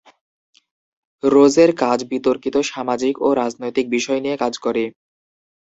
রোজের কাজ বিতর্কিত সামাজিক ও রাজনৈতিক বিষয় নিয়ে কাজ করে।